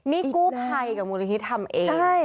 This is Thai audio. นี่กู้ภัยกับมูลนิธิทำเอง